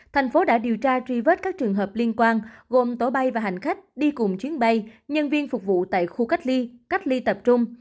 thành phố đã điều tra truy vết các trường hợp liên quan gồm tổ bay và hành khách đi cùng chuyến bay nhân viên phục vụ tại khu cách ly cách ly tập trung